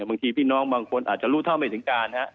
บางทีพี่น้องบางคนอาจจะรู้เท่าไม่ถึงการฮะ